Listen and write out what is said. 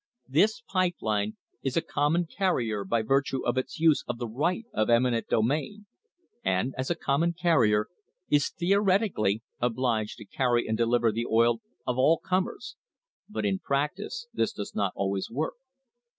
This pipe line is a common carrier by virtue of its use of the right of eminent domain, and, as a common carrier, is theoretically obliged to carry and deliver the oil of all comers, but in practice this does not always work.